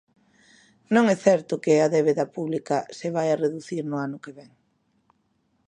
Non é certo que a débeda pública se vaia reducir no ano que vén.